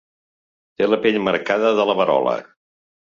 Té la pell marcada de la verola.